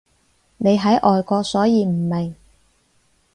你喺外國所以唔明